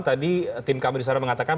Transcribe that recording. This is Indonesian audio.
tadi tim kami disana mengatakan